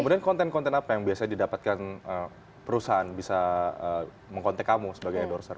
kemudian konten konten apa yang biasanya didapatkan perusahaan bisa mengkontek kamu sebagai endorser